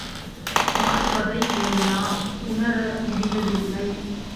பார்ப்பதை யெல்லாம் உணர முடிவதில்லை.